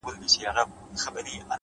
صادق چلند د باور اړیکې ژوروي،